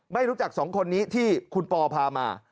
ไม่รู้จักสองคนนี้ที่คุณปอพามา